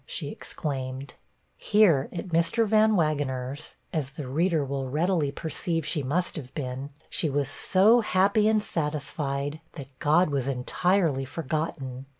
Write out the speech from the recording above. she exclaimed. Here, at Mr. Van Wagener's, as the reader will readily perceive she must have been, she was so happy and satisfied, that God was entirely forgotten.